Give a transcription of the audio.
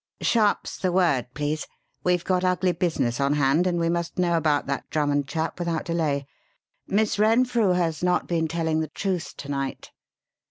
"Sharp's the word, please; we've got ugly business on hand and we must know about that Drummond chap without delay. Miss Renfrew has not been telling the truth to night!